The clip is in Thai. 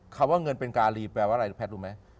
คำว่าเงินเป็นการีแปลว่าอะไรรู้แพทย์รู้ไหม